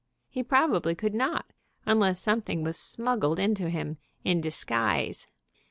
He probably could not, unless something was smuggled into him in "disguise.